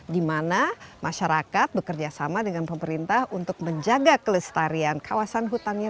dimana masyarakat bekerjasama dengan pemerintah untuk menjaga kelestarian kawasan hutannya